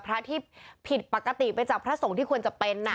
พระที่ผิดปกติไปจากพระสงฆ์ที่ควรจะเป็น